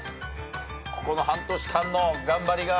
ここの半年間の頑張りが。